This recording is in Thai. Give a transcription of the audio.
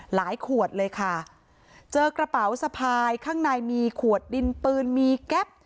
ขวดเลยค่ะเจอกระเป๋าสะพายข้างในมีขวดดินปืนมีแก๊ป